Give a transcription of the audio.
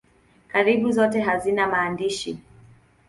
Karibu zote hazina maandishi.